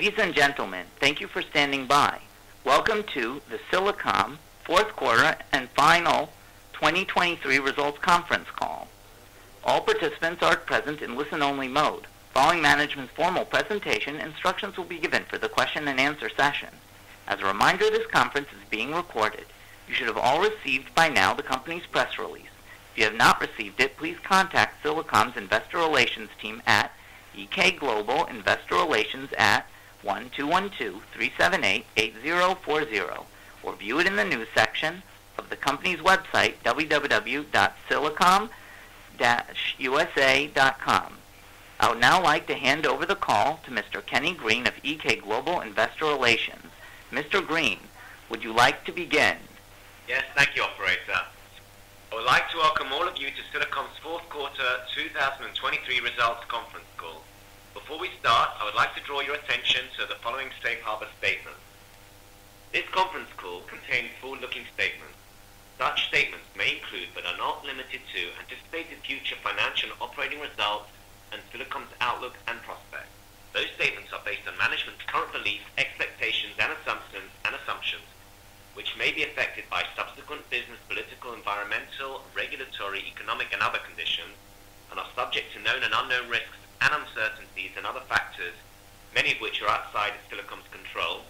Ladies and gentlemen, thank you for standing by. Welcome to the Silicom Fourth Quarter and Final 2023 Results Conference Call. All participants are present in listen-only mode. Following management's formal presentation, instructions will be given for the question-and-answer session. As a reminder, this conference is being recorded. You should have all received by now the company's press release. If you have not received it, please contact Silicom's investor relations team at EK Global Investor Relations at 1-212-378-8040, or view it in the news section of the company's website, www.silicom-usa.com. I would now like to hand over the call to Mr. Kenny Green of EK Global Investor Relations. Mr. Green, would you like to begin? Yes. Thank you, operator. I would like to welcome all of you to Silicom's Fourth Quarter 2023 Results Conference Call. Before we start, I would like to draw your attention to the following safe harbor statement. This conference call contains forward-looking statements. Such statements may include, but are not limited to, anticipated future financial and operating results and Silicom's outlook and prospects. Those statements are based on management's current beliefs, expectations, and assumptions, and assumptions, which may be affected by subsequent business, political, environmental, regulatory, economic, and other conditions, and are subject to known and unknown risks and uncertainties and other factors, many of which are outside of Silicom's control,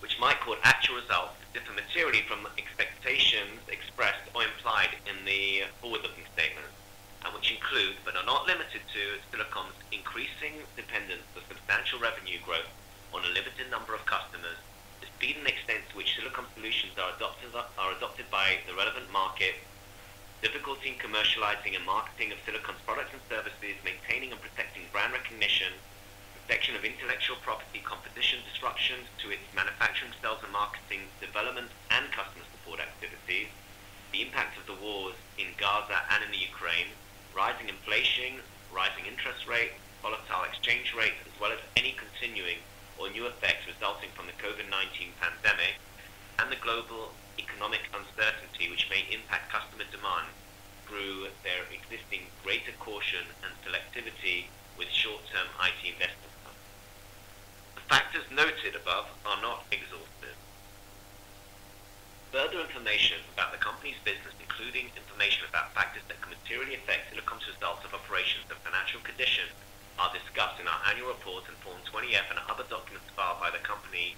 which might cause actual results to differ materially from expectations expressed or implied in the forward-looking statements, and which include, but are not limited to, Silicom's increasing dependence on substantial revenue growth on a limited number of customers. The speed and extent to which Silicom solutions are adopted, are adopted by the relevant market. Difficulty in commercializing and marketing of Silicom's products and services, maintaining and protecting brand recognition, protection of intellectual property, competition disruptions to its manufacturing, sales and marketing, development, and customer support activities. The impact of the wars in Gaza and in the Ukraine, rising inflation, rising interest rates, volatile exchange rates, as well as any continuing or new effects resulting from the COVID-19 pandemic, and the global economic uncertainty, which may impact customer demand through their existing greater caution and selectivity with short-term IT investments. The factors noted above are not exhaustive. Further information about the company's business, including information about factors that could materially affect Silicom's results of operations and financial conditions, are discussed in our annual report in Form 20-F and other documents filed by the company,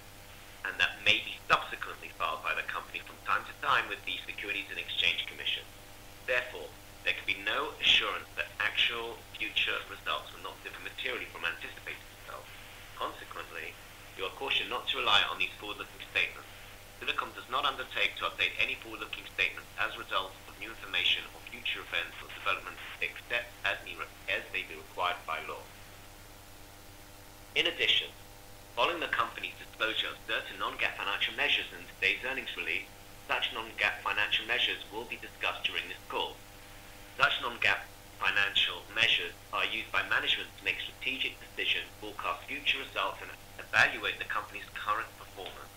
and that may be subsequently filed by the company from time to time with the Securities and Exchange Commission. Therefore, there can be no assurance that actual future results will not differ materially from anticipated results. Consequently, you are cautioned not to rely on these forward-looking statements. Silicom does not undertake to update any forward-looking statements as a result of new information or future events or developments, except as may be required by law. In addition, following the company's disclosure of certain non-GAAP financial measures in today's earnings release, such non-GAAP financial measures will be discussed during this call. Such non-GAAP financial measures are used by management to make strategic decisions, forecast future results, and evaluate the company's current performance.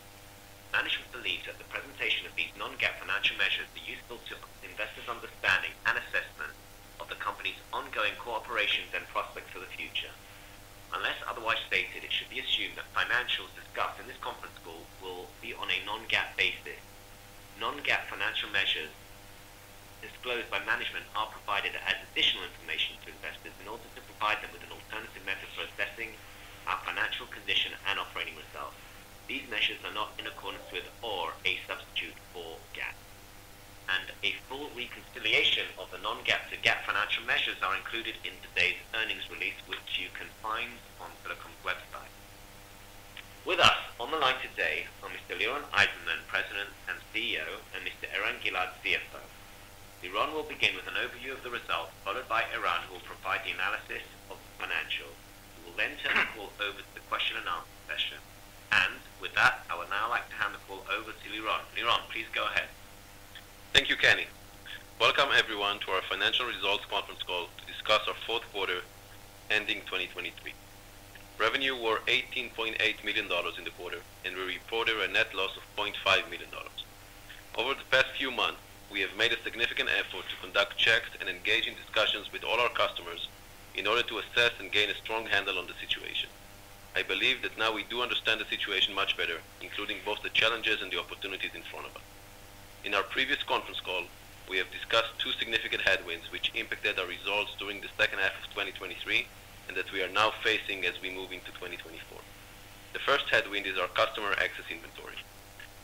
Management believes that the presentation of these non-GAAP financial measures are useful to investors' understanding and assessment of the company's ongoing cooperation and prospects for the future. Unless otherwise stated, it should be assumed that financials discussed in this conference call will be on a non-GAAP basis. Non-GAAP financial measures disclosed by management are provided as additional information to investors in order to provide them with an alternative method for assessing our financial condition and operating results. These measures are not in accordance with, or a substitute for GAAP. A full reconciliation of the non-GAAP to GAAP financial measures are included in today's earnings release, which you can find on Silicom's website. With us on the line today are Mr. Liron Eizenman, President and CEO, and Mr. Eran Gilad, CFO. Liron will begin with an overview of the results, followed by Eran, who will provide the analysis of the financials. We will then turn the call over to the question and answer session. With that, I would now like to hand the call over to Liron. Liron, please go ahead. Thank you, Kenny. Welcome, everyone, to our financial results conference call to discuss our fourth quarter ending 2023. Revenue were $18.8 million in the quarter, and we reported a net loss of $0.5 million. Over the past few months, we have made a significant effort to conduct checks and engage in discussions with all our customers in order to assess and gain a strong handle on the situation. I believe that now we do understand the situation much better, including both the challenges and the opportunities in front of us. In our previous conference call, we have discussed two significant headwinds, which impacted our results during the second half of 2023, and that we are now facing as we move into 2024. The first headwind is our customer excess inventory.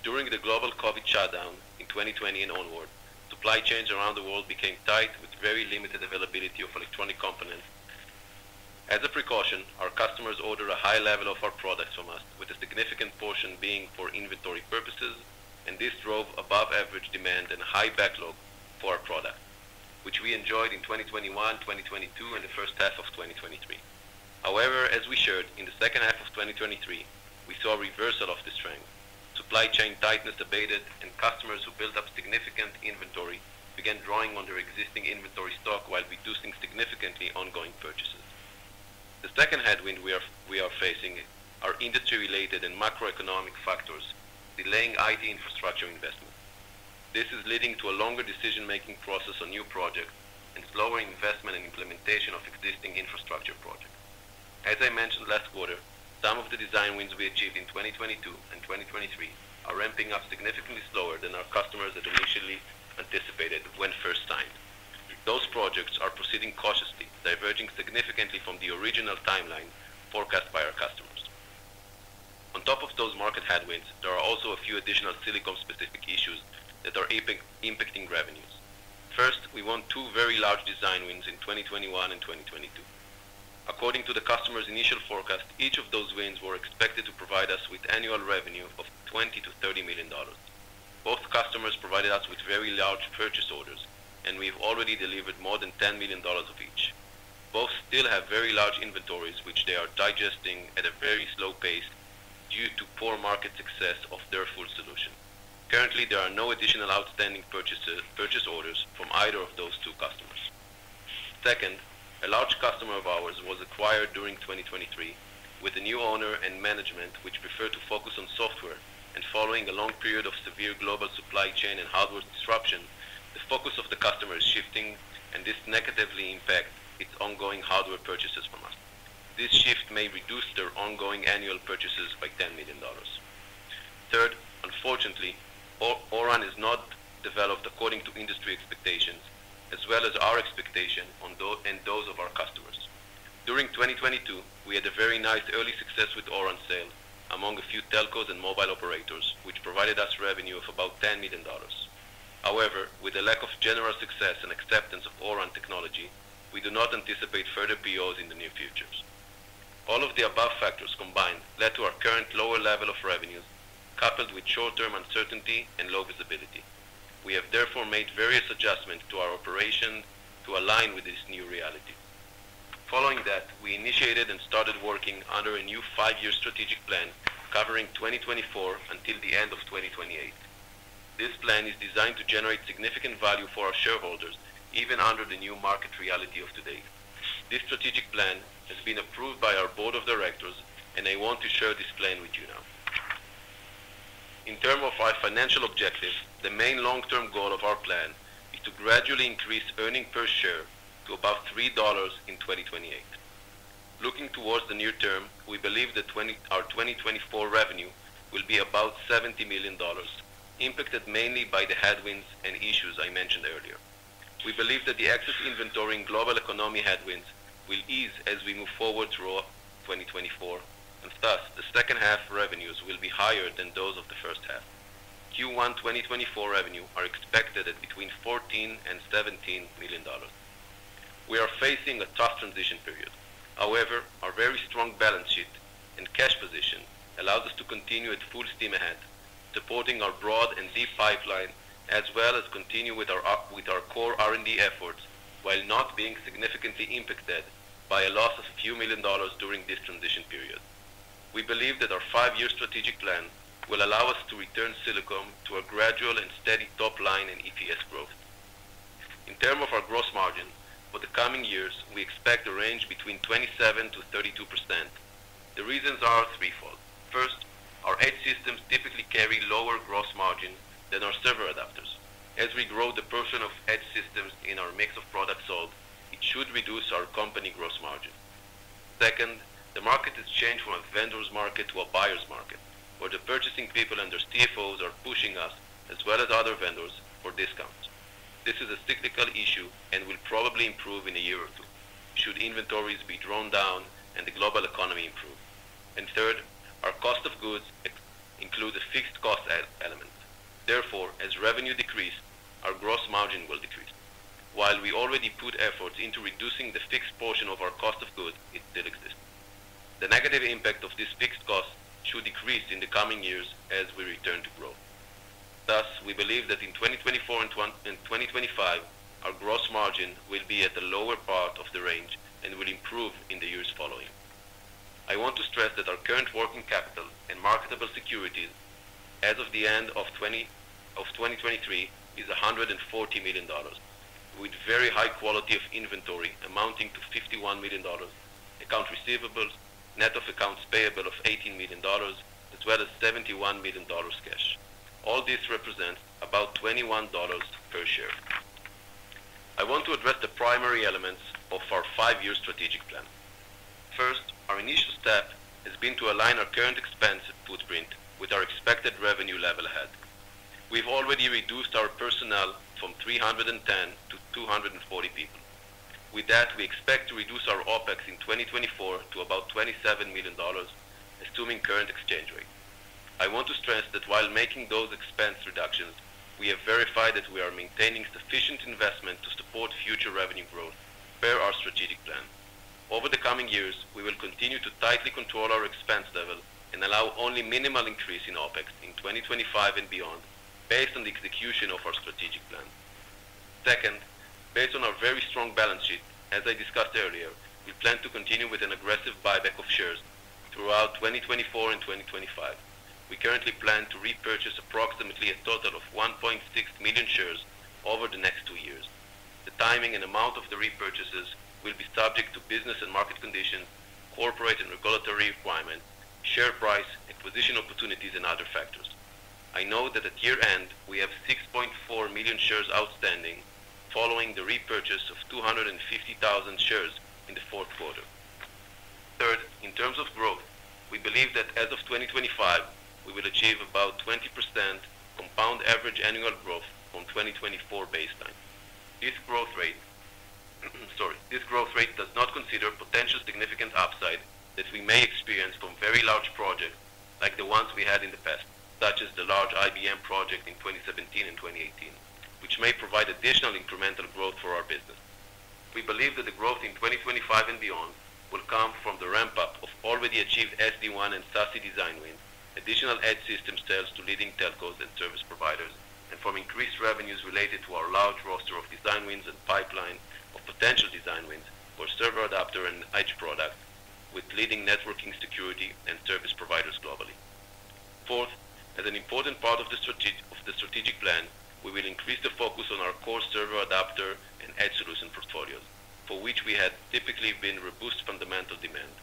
During the global COVID shutdown in 2020 and onward, supply chains around the world became tight with very limited availability of electronic components. As a precaution, our customers ordered a high level of our products from us, with a significant portion being for inventory purposes, and this drove above average demand and high backlog for our product, which we enjoyed in 2021, 2022, and the first half of 2023. However, as we shared in the second half of 2023, we saw a reversal of this trend. Supply chain tightness abated and customers who built up significant inventory began drawing on their existing inventory stock while reducing significantly ongoing purchases. The second headwind we are facing are industry-related and macroeconomic factors delaying IT infrastructure investment. This is leading to a longer decision-making process on new projects and slower investment and implementation of existing infrastructure projects. As I mentioned last quarter, some of the design wins we achieved in 2022 and 2023 are ramping up significantly slower than our customers had initially anticipated when first signed. Those projects are proceeding cautiously, diverging significantly from the original timeline forecast by our customers. On top of those market headwinds, there are also a few additional Silicom-specific issues that are impacting revenues. First, we won two very large design wins in 2021 and 2022. According to the customer's initial forecast, each of those wins were expected to provide us with annual revenue of $20 million-$30 million. Both customers provided us with very large purchase orders, and we've already delivered more than $10 million of each. Both still have very large inventories, which they are digesting at a very slow pace due to poor market success of their full solution. Currently, there are no additional outstanding purchases, purchase orders from either of those two customers. Second, a large customer of ours was acquired during 2023, with a new owner and management, which prefer to focus on software, and following a long period of severe global supply chain and hardware disruption, the focus of the customer is shifting, and this negatively impacts its ongoing hardware purchases from us. This shift may reduce their ongoing annual purchases by $10 million. Third, unfortunately, O-RAN has not developed according to industry expectations, as well as our expectation on those, and those of our customers. During 2022, we had a very nice early success with O-RAN sale among a few telcos and mobile operators, which provided us revenue of about $10 million. However, with a lack of general success and acceptance of O-RAN technology, we do not anticipate further POs in the near future. All of the above factors combined led to our current lower level of revenues, coupled with short-term uncertainty and low visibility. We have therefore made various adjustments to our operations to align with this new reality. Following that, we initiated and started working under a new five-year strategic plan covering 2024 until the end of 2028. This plan is designed to generate significant value for our shareholders, even under the new market reality of today. This strategic plan has been approved by our board of directors, and I want to share this plan with you now. In terms of our financial objectives, the main long-term goal of our plan is to gradually increase earnings per share to above $3 in 2028. Looking towards the near term, we believe that our 2024 revenue will be about $70 million, impacted mainly by the headwinds and issues I mentioned earlier. We believe that the excess inventory in global economy headwinds will ease as we move forward through 2024, and thus, the second half revenues will be higher than those of the first half. Q1 2024 revenue are expected at between $14 million and $17 million. We are facing a tough transition period. However, our very strong balance sheet and cash position allows us to continue at full steam ahead, supporting our broad and deep pipeline, as well as continue with our core R&D efforts, while not being significantly impacted by a loss of a few million dollars during this transition period. We believe that our five-year strategic plan will allow us to return Silicom to a gradual and steady top line in EPS growth. In terms of our gross margin, for the coming years, we expect a range between 27%-32%. The reasons are threefold. First, our Edge Systems typically carry lower gross margins than our Server Adapters. As we grow the portion of Edge Systems in our mix of products sold, it should reduce our company gross margin. Second, the market has changed from a vendor's market to a buyer's market, where the purchasing people and their CFOs are pushing us, as well as other vendors, for discounts. This is a cyclical issue and will probably improve in a year or two, should inventories be drawn down and the global economy improve. And third, our cost of goods include a fixed cost element. Therefore, as revenue decreases, our gross margin will decrease. While we already put efforts into reducing the fixed portion of our cost of goods, it still exists. The negative impact of this fixed cost should decrease in the coming years as we return to growth. Thus, we believe that in 2024 and 2025, our gross margin will be at the lower part of the range and will improve in the years following. I want to stress that our current working capital and marketable securities as of the end of 2023 is $140 million, with very high quality of inventory amounting to $51 million, accounts receivable, net of accounts payable of $18 million, as well as $71 million cash. All this represents about $21 per share. I want to address the primary elements of our five-year strategic plan. First, our initial step has been to align our current expense footprint with our expected revenue level ahead. We've already reduced our personnel from 310 to 240 people. With that, we expect to reduce our OpEx in 2024 to about $27 million, assuming current exchange rate. I want to stress that while making those expense reductions, we have verified that we are maintaining sufficient investment to support future revenue growth per our strategic plan. Over the coming years, we will continue to tightly control our expense level and allow only minimal increase in OpEx in 2025 and beyond, based on the execution of our strategic plan. Second, based on our very strong balance sheet, as I discussed earlier, we plan to continue with an aggressive buyback of shares throughout 2024 and 2025. We currently plan to repurchase approximately a total of 1.6 million shares over the next two years. The timing and amount of the repurchases will be subject to business and market conditions, corporate and regulatory requirements, share price, acquisition opportunities, and other factors. I know that at year-end, we have 6.4 million shares outstanding, following the repurchase of 250,000 shares in the fourth quarter. Third, in terms of growth, we believe that as of 2025, we will achieve about 20% compound average annual growth from 2024 baseline. This growth rate, sorry, this growth rate does not consider potential significant upside that we may experience from very large projects like the ones we had in the past, such as the large IBM project in 2017 and 2018, which may provide additional incremental growth for our business. We believe that the growth in 2025 and beyond will come from the ramp-up of already achieved SD-WAN and SASE design wins, additional Edge Systems sales to leading telcos and service providers, and from increased revenues related to our large roster of design wins and pipeline of potential design wins for server adapter and edge products, with leading networking, security, and service providers globally. Fourth, as an important part of the strategic, of the strategic plan, we will increase the focus on our core server adapter and edge solution portfolios, for which we had typically been robust fundamental demand.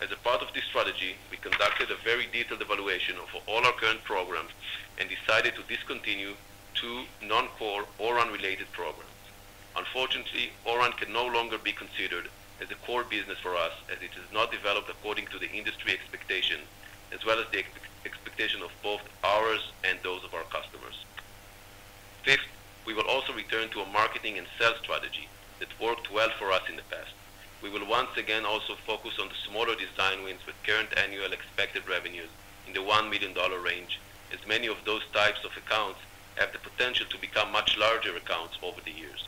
As a part of this strategy, we conducted a very detailed evaluation of all our current programs and decided to discontinue two non-core O-RAN-related programs. Unfortunately, O-RAN can no longer be considered as a core business for us, as it has not developed according to the industry expectation, as well as the expectation of both ours and those of our customers. Fifth, we will also return to a marketing and sales strategy that worked well for us in the past. We will once again also focus on the smaller design wins with current annual expected revenues in the $1 million range, as many of those types of accounts have the potential to become much larger accounts over the years.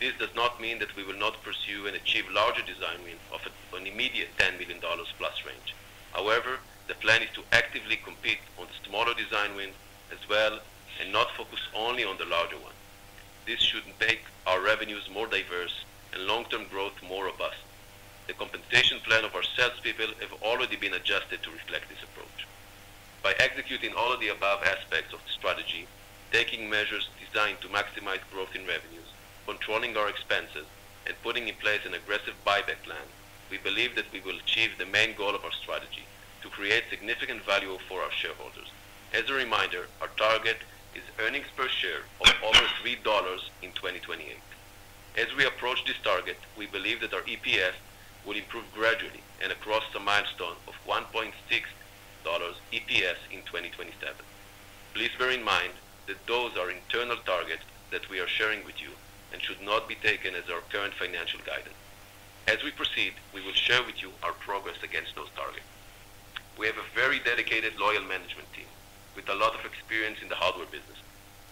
This does not mean that we will not pursue and achieve larger design wins of an immediate $10 million plus range. However, the plan is to actively compete on the smaller design wins as well, and not focus only on the larger ones. This should make our revenues more diverse and long-term growth more robust. The compensation plan of our salespeople have already been adjusted to reflect this approach. By executing all of the above aspects of the strategy, taking measures designed to maximize growth in revenues, controlling our expenses, and putting in place an aggressive buyback plan, we believe that we will achieve the main goal of our strategy: to create significant value for our shareholders. As a reminder, our target is earnings per share of over $3 in 2028. As we approach this target, we believe that our EPS will improve gradually and across the milestone of $1.6 EPS in 2027. Please bear in mind that those are internal targets that we are sharing with you and should not be taken as our current financial guidance. As we proceed, we will share with you our progress against those targets. We have a very dedicated, loyal management team with a lot of experience in the hardware business.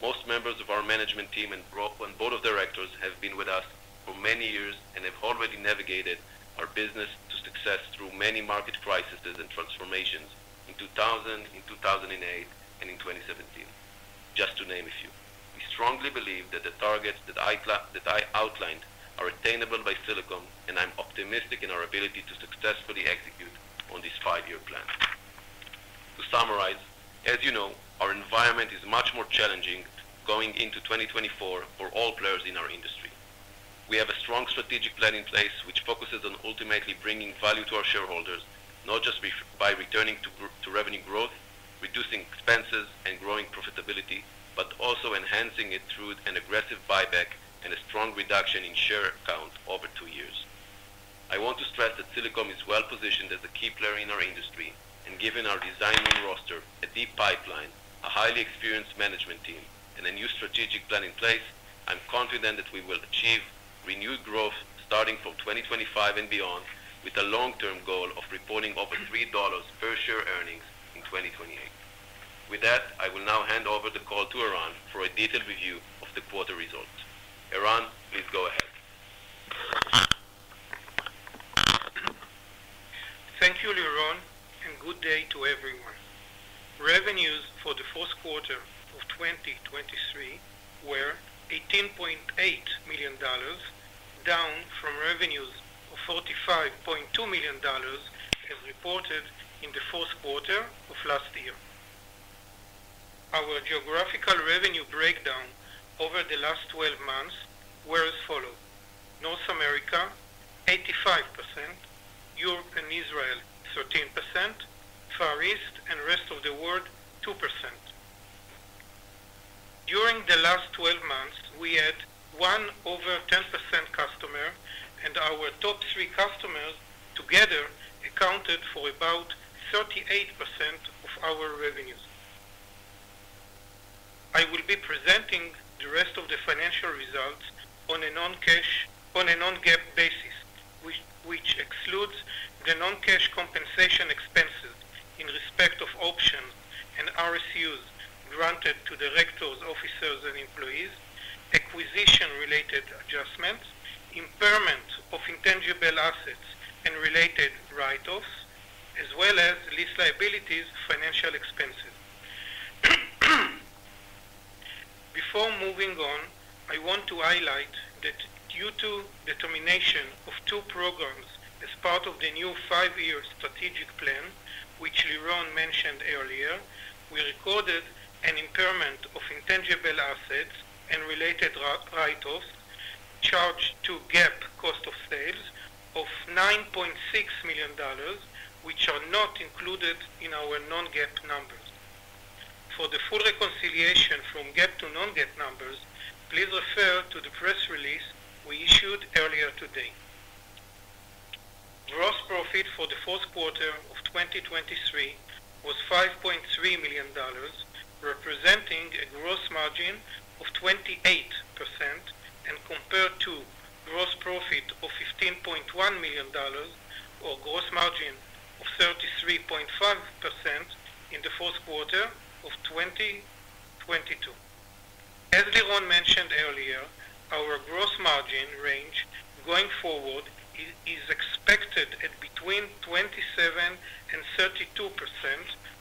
Most members of our management team and board of directors have been with us for many years and have already navigated our business to success through many market crises and transformations in 2000, in 2008, and in 2017, just to name a few. We strongly believe that the targets that I outlined are attainable by Silicom, and I'm optimistic in our ability to successfully execute on this five-year plan. To summarize, as you know, our environment is much more challenging going into 2024 for all players in our industry. We have a strong strategic plan in place, which focuses on ultimately bringing value to our shareholders, not just by returning to revenue growth, reducing expenses, and growing profitability, but also enhancing it through an aggressive buyback and a strong reduction in share count over two years. I want to stress that Silicom is well-positioned as a key player in our industry, and given our design win roster, a deep pipeline, a highly experienced management team, and a new strategic plan in place, I'm confident that we will achieve renewed growth starting from 2025 and beyond, with a long-term goal of reporting over $3 per share earnings in 2028. With that, I will now hand over the call to Eran for a detailed review of the quarter results. Eran, please go ahead. Thank you, Liron, and good day to everyone. Revenues for the fourth quarter of 2023 were $18.8 million, down from revenues of $45.2 million, as reported in the fourth quarter of last year. Our geographical revenue breakdown over the last twelve months were as follows: North America, 85%, Europe and Israel, 13%, Far East and rest of the world, 2%. During the last twelve months, we had one over 10% customer, and our top three customers together accounted for about 38% of our revenues. I will be presenting the rest of the financial results on a non-cash, on a non-GAAP basis, which excludes the non-cash compensation expenses in respect of options and RSUs granted to directors, officers and employees, acquisition-related adjustments, impairment of intangible assets and related write-offs, as well as lease liabilities, financial expenses. Before moving on, I want to highlight that due to the termination of two programs as part of the new five-year strategic plan, which Liron mentioned earlier, we recorded an impairment of intangible assets and related write-offs, charged to GAAP cost of sales of $9.6 million, which are not included in our non-GAAP numbers. For the full reconciliation from GAAP to non-GAAP numbers, please refer to the press release we issued earlier today. Gross profit for the fourth quarter of 2023 was $5.3 million, representing a gross margin of 28%, and compared to gross profit of $15.1 million, or gross margin of 33.5% in the fourth quarter of 2022. As Liron mentioned earlier, our gross margin range going forward is expected at between 27% and 32%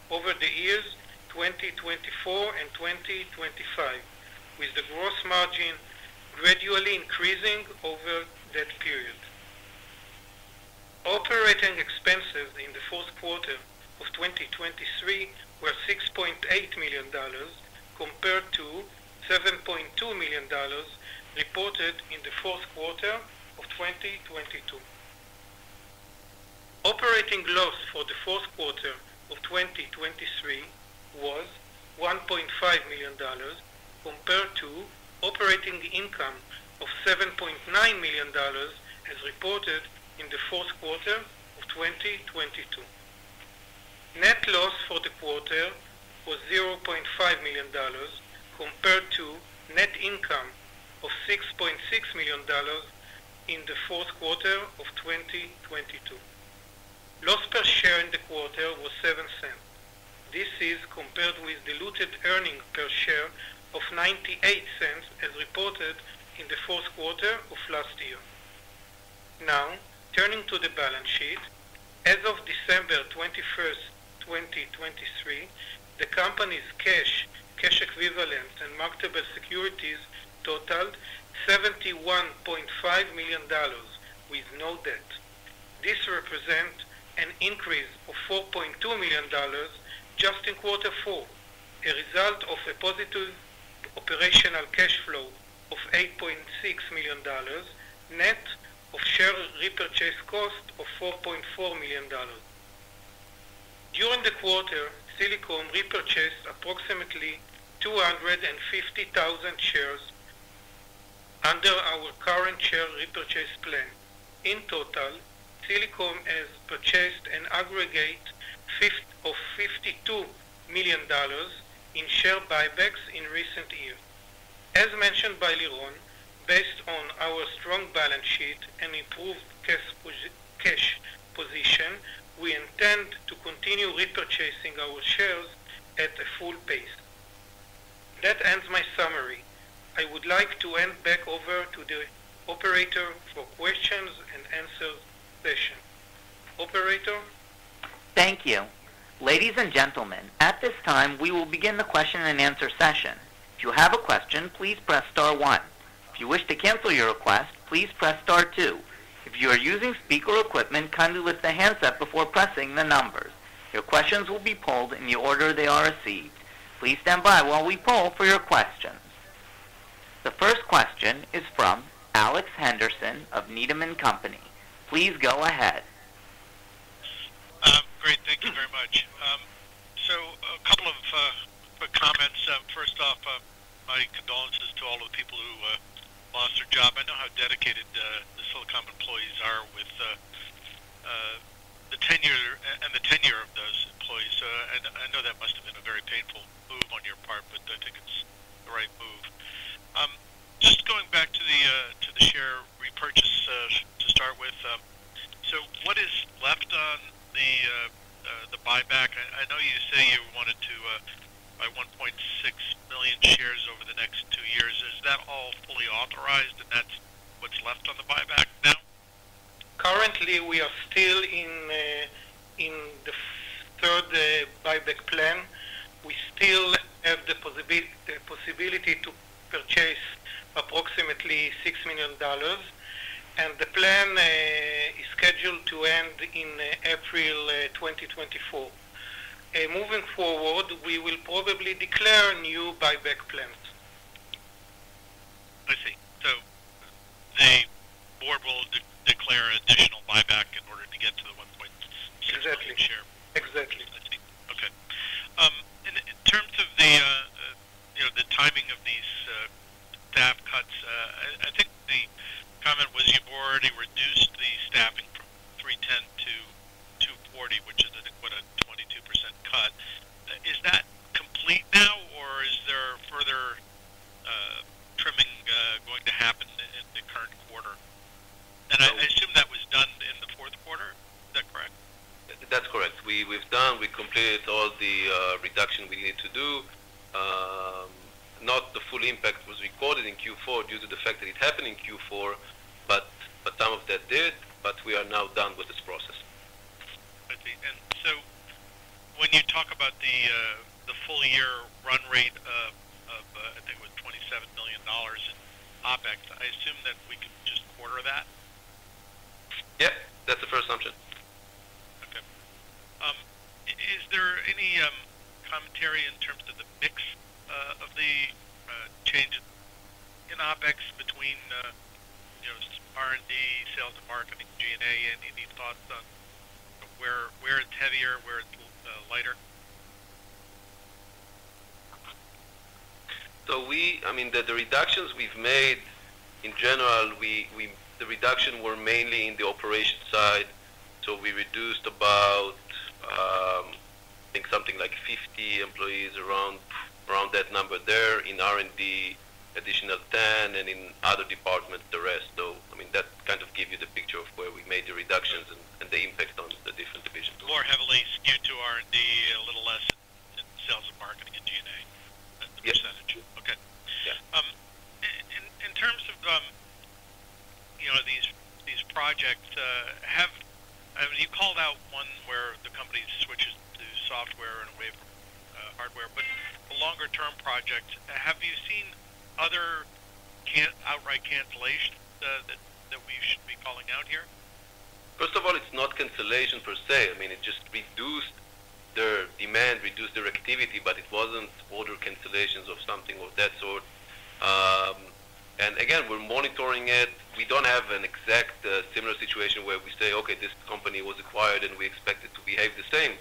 over the years 2024 and 2025, with the gross margin gradually increasing over that period. Operating expenses in the fourth quarter of 2023 were $6.8 million, compared to $7.2 million reported in the fourth quarter of 2022. Operating loss for the fourth quarter of 2023 was $1.5 million, compared to operating income of $7.9 million, as reported in the fourth quarter of 2022. Net loss for the quarter was $0.5 million, compared to net income of $6.6 million in the fourth quarter of 2022. Loss per share in the quarter was $0.07. This is compared with diluted earnings per share of $0.98, as reported in the fourth quarter of last year. Now, turning to the balance sheet. As of December 21st, 2023, the company's cash, cash equivalents, and marketable securities totaled $71.5 million, with no debt. This represent an increase of $4.2 million just in quarter four, a result of a positive operational cash flow of $8.6 million, net of share repurchase cost of $4.4 million. During the quarter, Silicom repurchased approximately 250,000 shares under our current share repurchase plan. In total, Silicom has purchased an aggregate of $52 million in share buybacks in recent years. As mentioned by Liron, based on our strong balance sheet and improved cash position, we intend to continue repurchasing our shares at a full pace. That ends my summary. I would like to hand back over to the operator for questions and answer session. Operator? Thank you. Ladies and gentlemen, at this time, we will begin the question-and-answer session. If you have a question, please press star one. If you wish to cancel your request, please press star two. If you are using speaker equipment, kindly lift the handset before pressing the numbers. Your questions will be polled in the order they are received. Please stand by while we poll for your questions. The first question is from Alex Henderson of Needham & Company. Please go ahead. Great, thank you very much. So a couple of quick comments. First off, my condolences to all the people who lost their job. I know how dedicated the Silicom employees are with the tenure, and the tenure of those employees. So I, I know that must have been a very painful move on your part, but I think it's the right move. Just going back to the to the share repurchase to start with. So what is left on the, the buyback? I, I know you say you wanted to buy 1.6 million shares over the next two years. Is that all fully authorized, and that's what's left on the buyback now? Currently, we are still in the third buyback plan. We still have the possibility to purchase approximately $6 million, and the plan is scheduled to end in April 2024. Moving forward, we will probably declare a new buyback plan. I see. So the board will declare additional buyback in order to get to the 1.6 million share. Exactly. Exactly. I see. Okay. In terms of the, you know, the timing of these staff cuts, I think the comment was you've already reduced the staffing from 310 to 240, which is an equivalent 22% cut. Is that complete now, or is there further trimming going to happen in the current quarter? And I assume that was done in the fourth quarter. Is that correct? That's correct. We've done. We completed all the reduction we need to do. Not the full impact was recorded in Q4 due to the fact that it happened in Q4, but some of that did, but we are now done with this process. I see. And so when you talk about the full year run rate, I think it was $27 million, I assume that we can just quarter that? Yep, that's the first assumption. Okay. Is there any commentary in terms of the mix of the changes in OpEx between you know, R&D, sales and marketing, G&A? Any thoughts on where it's heavier, where it's lighter? So we, I mean, the reductions we've made in general, the reduction were mainly in the operation side. So we reduced about, I think something like 50 employees around that number there. In R&D, additional 10, and in other departments, the rest, though. I mean, that kind of gives you the picture of where we made the reductions and the impact on the different divisions. More heavily skewed to R&D, a little less in sales and marketing, and G&A. Yes. That is true. Okay. Yeah. In terms of, you know, these projects, I mean, you called out one where the company switches to software and away from hardware, but the longer-term project, have you seen other outright cancellations that we should be calling out here? First of all, it's not cancellation per se. I mean, it just reduced their demand, reduced their activity, but it wasn't order cancellations or something of that sort. And again, we're monitoring it. We don't have an exact, similar situation where we say, "Okay, this company was acquired, and we expect it to behave the same."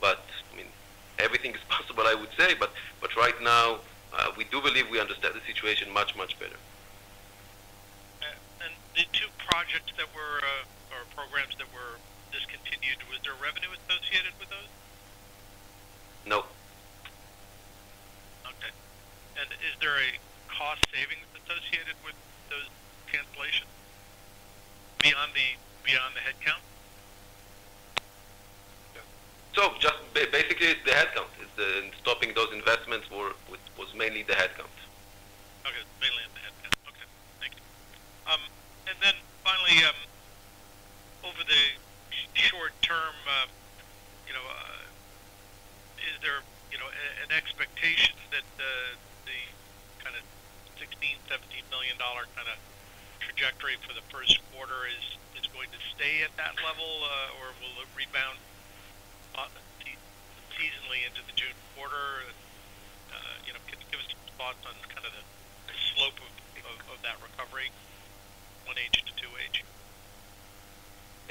But, I mean, everything is possible, I would say, but, but right now, we do believe we understand the situation much, much better. And the two projects that were, or programs that were discontinued, was there revenue associated with those? No. Okay. And is there a cost savings associated with those cancellations beyond the headcount?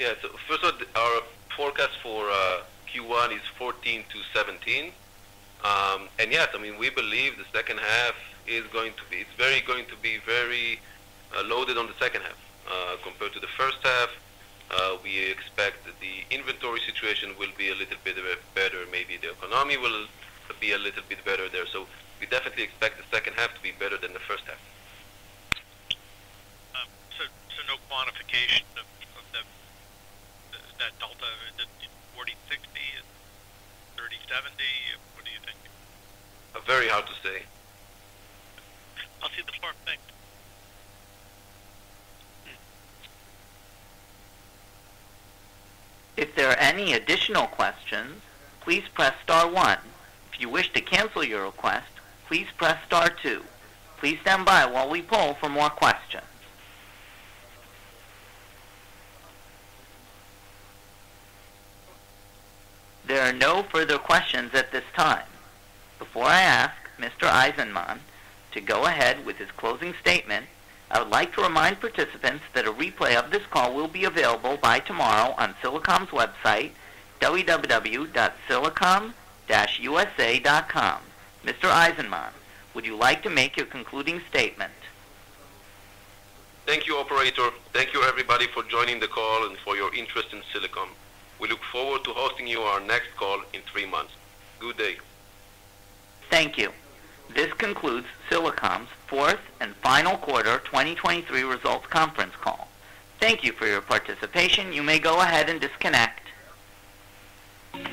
So just basically, the headcount. Is the stopping those investments was mainly the headcount. Okay, mainly on the headcount. Okay, thank you. And then finally, you know, is there, you know, an expectation that the, the kind of $16 million-$17 million kind of trajectory for the first quarter is, is going to stay at that level, or will it rebound on, seasonally into the June quarter? You know, give us your thoughts on kind of the slope of, of that recovery, 1H to 2H. Yeah. So first of all, our forecast for Q1 is $14 million-$17 million. And yes, I mean, we believe the second half is going to be very loaded on the second half. Compared to the first half, we expect the inventory situation will be a little bit better, maybe the economy will be a little bit better there. So we definitely expect the second half to be better than the first half. So, no quantification of that delta, the 40/60, 30/70, what do you think? Very hard to say. I'll see the form. Thanks. If there are any additional questions, please press star one. If you wish to cancel your request, please press star two. Please stand by while we poll for more questions. There are no further questions at this time. Before I ask Mr. Eizenman to go ahead with his closing statement, I would like to remind participants that a replay of this call will be available by tomorrow on Silicom's website, www.silicom-usa.com. Mr. Eizenman, would you like to make your concluding statement? Thank you, operator. Thank you, everybody, for joining the call and for your interest in Silicom. We look forward to hosting you on our next call in three months. Good day. Thank you. This concludes Silicom's Fourth and Final Quarter 2023 Results Conference Call. Thank you for your participation. You may go ahead and disconnect.